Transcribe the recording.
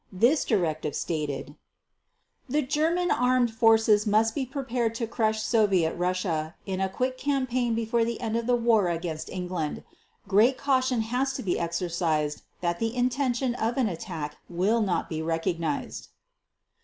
This directive stated: "The German armed forces must be prepared to crush Soviet Russia in a quick campaign before the end of the war against England .... Great caution has to be exercised that the intention of an attack will not be recognized."